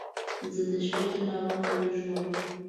زه د شپې تر ناوخته ويښ وم.